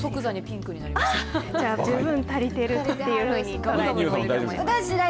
じゃあ水分足りてるというふうに思っていいと思います。